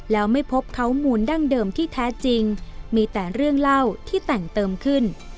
แล้วไม่พบข้อมูลดั้งเดิมที่แท้จริงมีแต่เรื่องเล่าที่แต่งเติมขึ้น